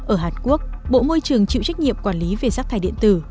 ở hàn quốc bộ môi trường chịu trách nhiệm quản lý về rác thải điện tử